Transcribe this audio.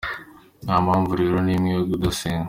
Nta mpamvu rero n’imwe, yo kudasenga.